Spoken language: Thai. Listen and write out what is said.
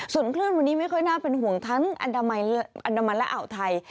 ส่วนคลื่นวันนี้ไม่ค่อยน่าเป็นห่วงทั้งอันดามันและอ่าวไทย